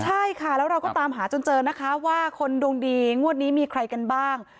ใช่ค่ะแล้วเราก็ตามหาจนเจอนะคะว่าคนดวงดีงวดนี้มีใครกันบ้าง